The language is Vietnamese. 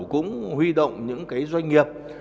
cũng huy động những cái doanh nghiệp